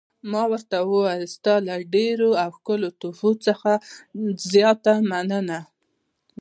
ما ورته وویل: ستا له ډېرو او ښکلو تحفو څخه زیاته مننه.